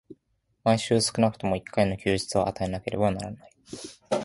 毎週少くとも一回の休日を与えなければならない。